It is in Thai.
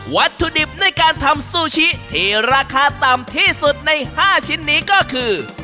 วัตถุดิบในการทำซูชิที่ราคาต่ำที่สุดใน๕ชิ้นนี้ก็คือ